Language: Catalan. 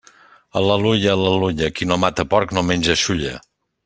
Al·leluia, al·leluia, qui no mata porc no menja xulla.